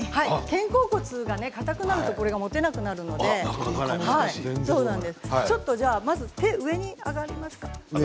肩甲骨がかたくなるとこれが持てなくなるので手は上に上がりますか。